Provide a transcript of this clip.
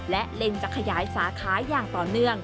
และเล็งจะขยายสาขาอย่างต่อเนื่อง